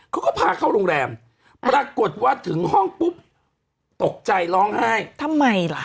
เขาก็พาเข้าโรงแรมปรากฏว่าถึงห้องปุ๊บตกใจร้องไห้ทำไมล่ะ